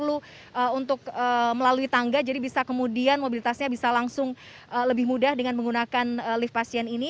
untuk melalui tangga jadi bisa kemudian mobilitasnya bisa langsung lebih mudah dengan menggunakan lift pasien ini